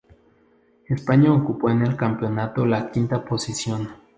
España ocupó en el campeonato la quinta posición.